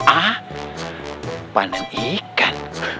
ah panen ikan